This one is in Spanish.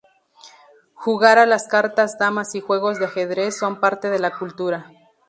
Jugar a las cartas, damas y juegos de ajedrez son parte de la cultura.